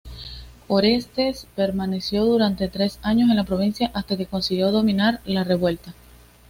Orestes permaneció durante tres años en la provincia hasta que consiguió dominar la revuelta.